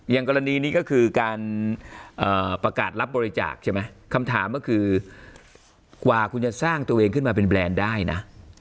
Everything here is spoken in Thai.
กรณีนี้ก็คือการประกาศรับบริจาคใช่ไหมคำถามก็คือกว่าคุณจะสร้างตัวเองขึ้นมาเป็นแบรนด์ได้นะ